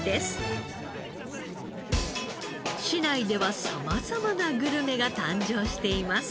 市内では様々なグルメが誕生しています。